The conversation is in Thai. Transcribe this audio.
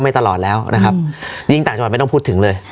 ตลอดแล้วนะครับยิ่งต่างจังหวัดไม่ต้องพูดถึงเลย